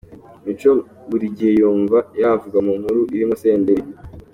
Mico buri gihe yumva yavugwa mu nkuru irimo Senderi.